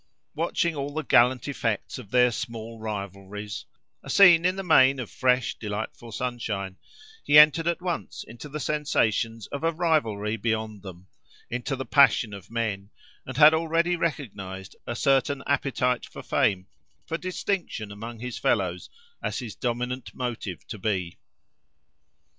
Watching all the gallant effects of their small rivalries—a scene in the main of fresh delightful sunshine—he entered at once into the sensations of a rivalry beyond them, into the passion of men, and had already recognised a certain appetite for fame, for distinction among his fellows, as his dominant motive to be.